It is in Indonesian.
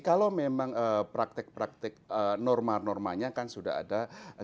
kalau memang praktek praktik norma normanya kan sudah ada